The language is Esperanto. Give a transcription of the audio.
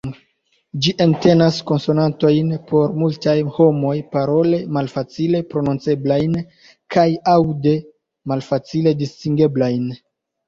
Ĝi entenas konsonantojn por multaj homoj parole malfacile prononceblajn kaj aŭde malfacile distingeblajn.